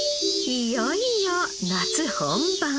いよいよ夏本番！